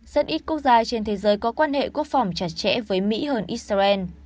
rất ít quốc gia trên thế giới có quan hệ quốc phòng chặt chẽ với mỹ hơn israel